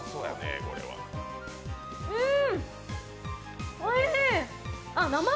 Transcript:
うん！